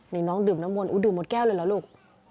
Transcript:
นี่น้องดื่มน้ำมนอุ้ดื่มหมดแก้วเลยเหรอลูก